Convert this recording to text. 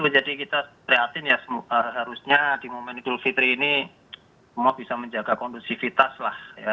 jadi kita priatin ya harusnya di momen idul fitri ini semua bisa menjaga kondusivitas lah